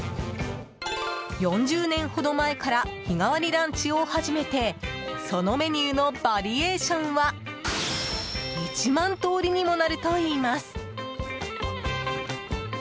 ４０年ほど前から日替わりランチを始めてそのメニューのバリエーションは１万通りにもなるといいます。